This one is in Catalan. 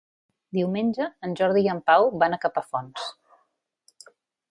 Diumenge en Jordi i en Pau van a Capafonts.